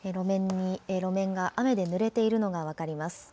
路面が雨でぬれているのが分かります。